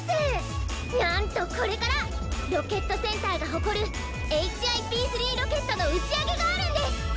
なんとこれからロケットセンターがほこるＨＩＰ−３ロケットのうちあげがあるんです！